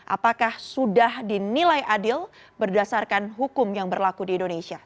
apakah sudah dinilai adil berdasarkan hukum yang berlaku di indonesia